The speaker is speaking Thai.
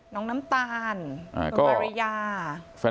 น้องน้ำตาลน้องมะริยา